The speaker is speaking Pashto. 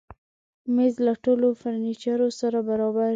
مېز له ټولو فرنیچرو سره برابر وي.